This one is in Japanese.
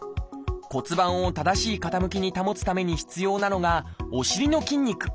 骨盤を正しい傾きに保つために必要なのがお尻の筋肉。